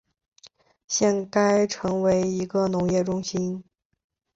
现该城为一个农业中心。